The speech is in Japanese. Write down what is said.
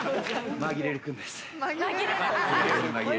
まぎれる君です。